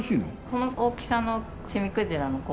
この大きさのセミクジラの骨格